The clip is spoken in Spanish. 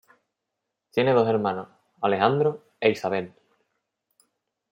Tiene dos hermanos, Alejandro e Isabel.